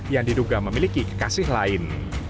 yang diduga memiliki kekasih lain